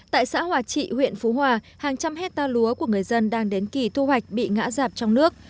tại xã hòa trị huyện phú hòa hàng trăm hecta lúa của người dân đang đến kỳ thu hoạch bị ngã giạp trong nước